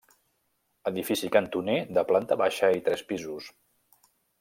Edifici cantoner de planta baixa i tres pisos.